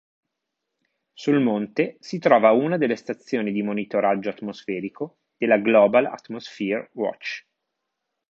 Sul monte si trova una delle stazioni di monitoraggio atmosferico della Global Atmosphere Watch.